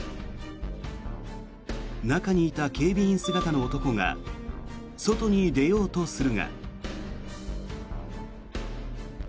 中にいた警備員姿の男が外に出ようとするが。